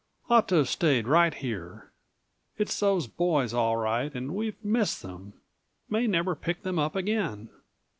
Ought to have stayed right here. It's those boys all right and we've missed them; may never pick them up again."